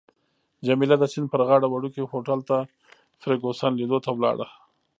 جميله د سیند پر غاړه وړوکي هوټل ته فرګوسن لیدو ته ولاړه.